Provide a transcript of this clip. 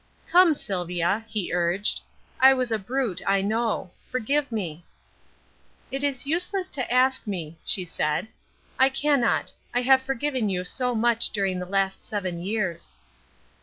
"Come, Sylvia," he urged; "I was a brute, I know. Forgive me." "It is useless to ask me," she said; "I cannot. I have forgiven you so much during the last seven years."